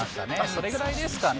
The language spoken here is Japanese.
それぐらいですかね。